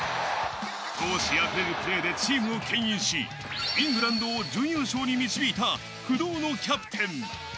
闘志あふれるプレーでチームをけん引し、イングランドを準優勝に導いた不動のキャプテン。